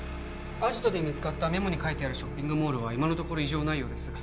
アジトで見つかったメモに書いてあるショッピングモールは今のところ異常ないようです